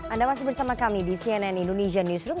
anda masih bersama kami di cnn indonesia newsroom